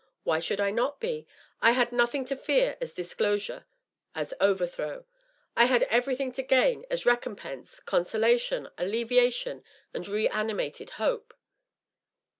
Why should I not be? I had nothing to fear as disclosure, as overthrow. I had everything to gain as recompense, consolation, alleviation and reanimated hope.